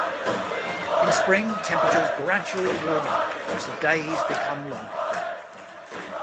In spring, temperatures gradually warm up as the days become longer.